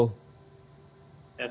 sehat selalu mas